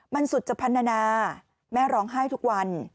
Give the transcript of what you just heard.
มันสุจพันธนาแม่ร้องไห้ทุกวัน